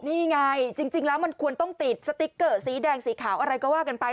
นี่ไงจริงแล้วมันควรต้องติดสติ๊กเกอร์สีแดงสีขาวอะไรก็ว่ากันไป